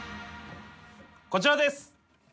こちらです。